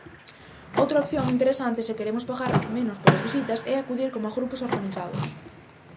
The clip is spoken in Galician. Outra opción interesante se queremos pagar menos polas visitas, é acudir coma grupos organizados.